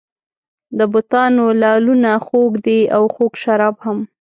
د بتانو لعلونه خوږ دي او خوږ شراب هم.